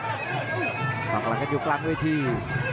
ต่อกำลังกระจุกลังด้วยที